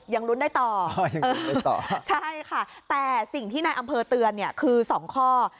ยังรุ้นได้ต่อใช่ค่ะแต่สิ่งที่ในอำเภอเตือนคือ๒ข้อ